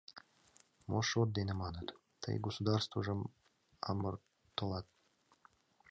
— Мо шот дене маныт, тый государствыжым амыртылат?